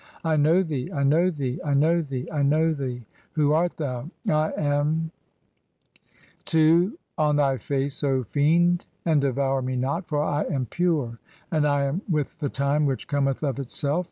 I know thee, "I know thee, I know thee, I know thee. Who art thou? (7) "I am " II. (2) "On thy face, [O fiend], and devour me not, for I am "pure, and I am with the time which cometh of itself.